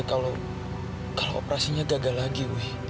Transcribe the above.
kalau operasinya gagal lagi